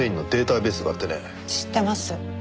知ってます。